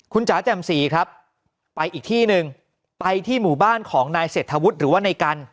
คุณจ๋าแจ่มสีครับไปอีกที่หนึ่งไปที่หมู่บ้านของนายเศรษฐวุฒิหรือว่าในกัน